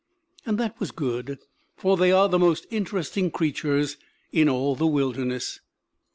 And that was good; for they are the most interesting creatures in all the wilderness.